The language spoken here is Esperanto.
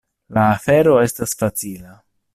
La afero estas facila.